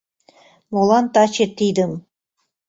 Молан таче тидым